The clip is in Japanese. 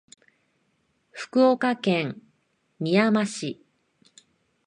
福岡県みやま市